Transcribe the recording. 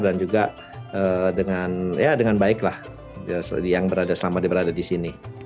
dan juga dengan baik lah yang selama diberada di sini